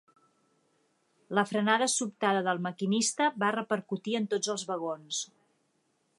La frenada sobtada del maquinista va repercutir en tots els vagons.